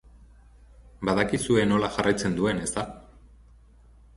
Badakizue nola jarraitzen duen, ezta?